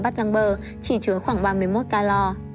bát răng bơ chỉ chứa khoảng ba mươi một calor